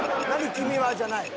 君は？」じゃない］